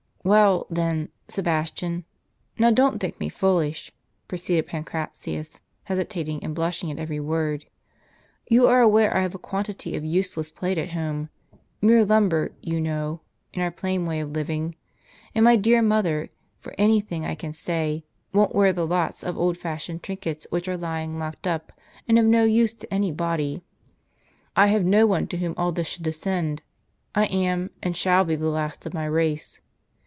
"Well, then, Sebastian — now don't think me foolish," proceeded Pancratius, hesitating and blushing at every word. " You are aware I have a quantity of useless plate at home — mere lumber, you know, in our plain way of living ; and my dear mother, for any thing I can say, won't wear the lots of old fashioned trinkets, which are lying locked up, and of no use to any body. I have no one to whom all this should descend. I am, and shall be, the last of my race.